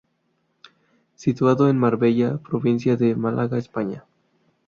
Situado en Marbella, provincia de Málaga, España.